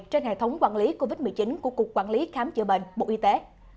trên hệ thống quản lý covid một mươi chín của cục quản lý khám chữa bệnh bộ y tế